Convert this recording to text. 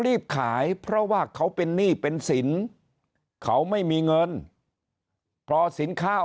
รีบขายเพราะว่าเขาเป็นหนี้เป็นสินเขาไม่มีเงินพอสินข้าว